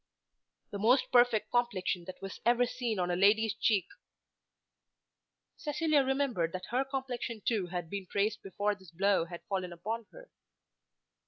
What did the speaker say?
"The most perfect complexion that was ever seen on a lady's cheek." Cecilia remembered that her complexion too had been praised before this blow had fallen upon her.